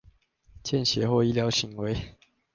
見血或醫療行為